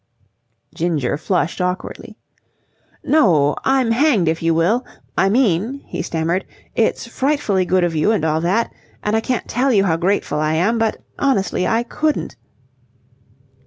Ginger flushed awkwardly. "No, I'm hanged if you will! I mean," he stammered, "it's frightfully good of you and all that, and I can't tell you how grateful I am, but honestly, I couldn't..."